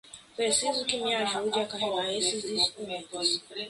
Preciso que me ajude a carregar estes instrumentos.